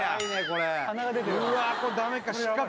これダメか失格？